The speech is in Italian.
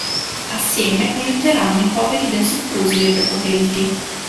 Assieme, aiuteranno i poveri dai soprusi dei prepotenti.